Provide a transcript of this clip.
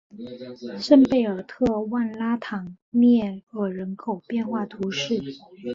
圣贝尔特万拉唐涅尔人口变化图示